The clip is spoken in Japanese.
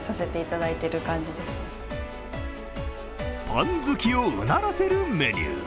パン好きをうならせるメニュー。